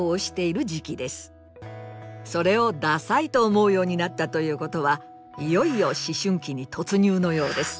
それを「ダサい」と思うようになったということはいよいよ思春期に突入のようです。